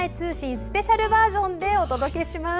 スペシャルバージョンでお届けします。